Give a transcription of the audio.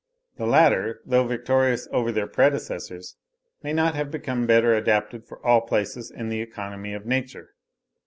The latter, though victorious over their predecessors, may not have become better adapted for all places in the economy of nature.